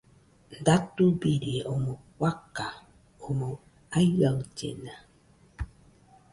Datubirie omoi fakan omɨ aiaɨllena.